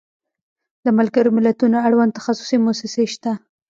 د ملګرو ملتونو اړوند تخصصي موسسې شته.